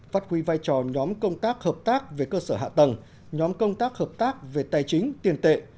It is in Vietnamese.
phát huy vai trò nhóm công tác hợp tác về cơ sở hạ tầng nhóm công tác hợp tác về tài chính tiền tệ